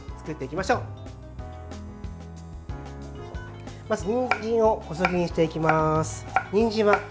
まず、にんじんを細切りにしていきます。